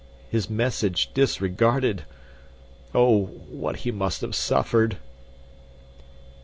His message disregarded. Oh, what he must have suffered!"